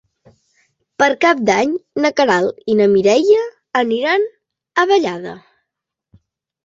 Per Cap d'Any na Queralt i na Mireia aniran a Vallada.